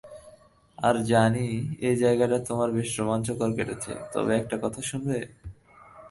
আর জানি এই জায়গাটা তোমার বেশ রোমাঞ্চকর কেটেছে, তবে একটা কথা শুনবে?